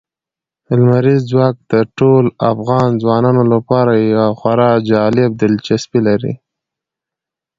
لمریز ځواک د ټولو افغان ځوانانو لپاره یوه خورا جالب دلچسپي لري.